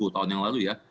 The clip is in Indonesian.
sepuluh tahun yang lalu ya